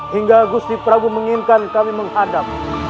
hingga gusti prabu menginginkan kami menghadap